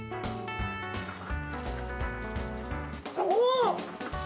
お！